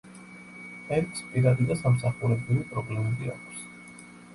ერიკს პირადი და სამსახურებრივი პრობლემები აქვს.